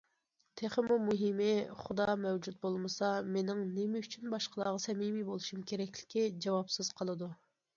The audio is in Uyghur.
تېخىمۇ مۇھىمى، خۇدا مەۋجۇت بولمىسا، مېنىڭ نېمە ئۈچۈن باشقىلارغا سەمىمىي بولۇشۇم كېرەكلىكى جاۋابسىز قالىدۇ.